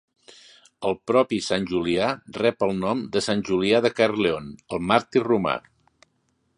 El propi sant Julià rep el nom de Sant Julià de Caerleon, el màrtir romà.